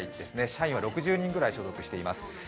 社員は６０人ぐらい所属しています。